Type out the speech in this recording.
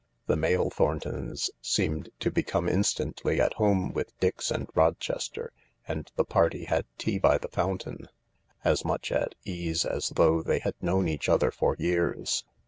The male Thorntons seemed to become instantly at home with Dix and Rochester, and the party had tea by the fountain, as much at ease as though they had known each other for years.